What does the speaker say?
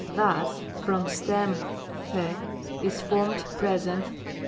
Thus, from stem i9 «, is formed Present 4.